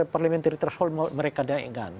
parlementary threshold mereka naik kan